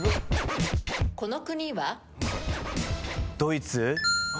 この国は？ドイツ？